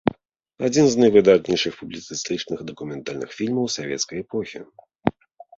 Адзін з найвыдатнейшых публіцыстычных дакументальных фільмаў савецкай эпохі.